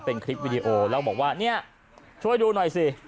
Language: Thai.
เป็นคลิปวิดีโอแล้วบอกว่าเนี่ยช่วยดูหน่อยสิ